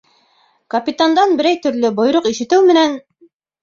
Капитандан берәй төрлө бойороҡ ишетеү менән: